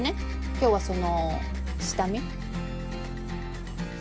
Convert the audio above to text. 今日はその下見。